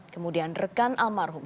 kemudian rekan almarhum